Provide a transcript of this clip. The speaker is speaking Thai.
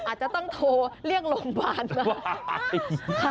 อาจจะต้องโทรเรียกโรงพยาบาลบ้าง